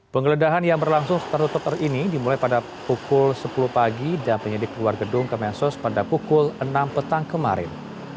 penggeledahan yang berlangsung tertutup ini dimulai pada pukul sepuluh pagi dan penyidik keluar gedung kemensos pada pukul enam petang kemarin